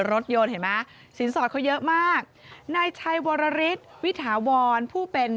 รถยนต์เห็นไหมสินสอดเขาเยอะมากนายชัยวรริสวิถาวรผู้เป็น